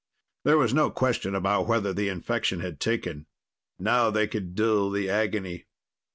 There was no question about whether the infection had taken. Now they could dull the agony.